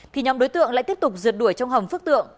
thì nhóm đối tượng lại tiếp tục rượt đuổi trong hầm phước tượng